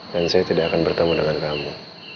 dan saya tidak akan bertemu dengan kamu